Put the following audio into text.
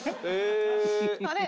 あれ？